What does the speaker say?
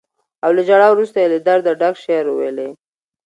او له ژړا وروسته یې له درده ډک شعر وويلې.